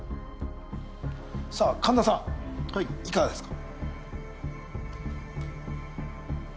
さぁ神田さんいかがですか？